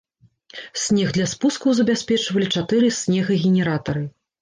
Снег для спускаў забяспечвалі чатыры снегагенератары.